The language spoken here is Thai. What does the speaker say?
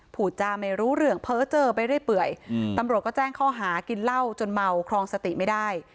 พูดจ้าไม่รู้เรื่องเพ้อเจอไปเรื่อยตำรวจก็แจ้งข้อหากินเหล้าจนเมาครองสติไม่ได้